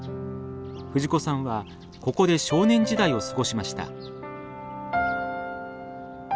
藤子さんはここで少年時代を過ごしました。